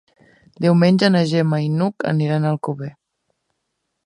Diumenge na Gemma i n'Hug iran a Alcover.